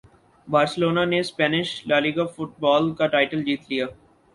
Barcelona نے Spanish La Liga football کا title جیت لیا